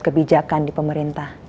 kebijakan di pemerintah